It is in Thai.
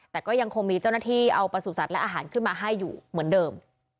แต่ก็ยังคงมีเจ้าหน้าที่เอาประสุทธิ์และอาหารขึ้นมาให้อยู่เหมือนเดิม